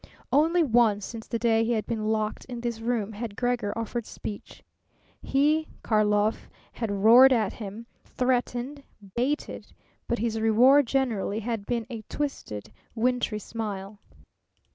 Only once since the day he had been locked in this room had Gregor offered speech. He, Karlov, had roared at him, threatened, baited, but his reward generally had been a twisted wintry smile.